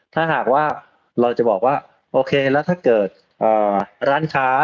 ถ้าหากว่าเราจะบอกว่าโอเคแล้วถ้าเกิดร้านค้า